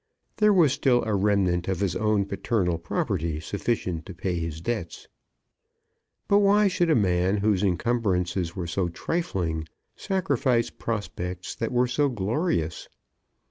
There was still a remnant of his own paternal property sufficient to pay his debts. But why should a man whose encumbrances were so trifling, sacrifice prospects that were so glorious?